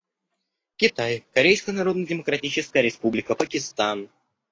Китай, Корейская Народно-Демократическая Республика, Пакистан.